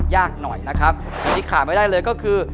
ยากหน่อยนะครับแต่ที่ขาดไม่ได้เลยก็คือ